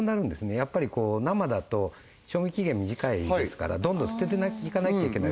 やっぱり生だと賞味期限短いですからどんどん捨てていかなきゃいけない